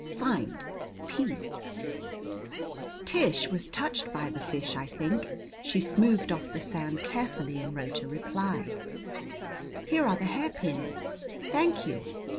(Signed) P. Tish was touched by the fish, I think. She smoothed off the sand carefully and wrote a reply: Here are the hairpins. Thank you.